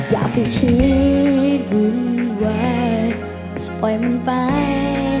อยากคิดหุ่นแหวนปล่อยมันไป